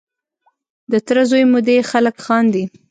د تره زوی مو دی خلک خاندي.